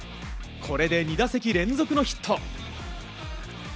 これで２打席連続のヒット。